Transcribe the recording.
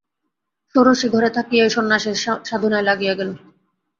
ষোড়শী ঘরে থাকিয়াই সন্ন্যাসের সাধনায় লাগিয়া গেল।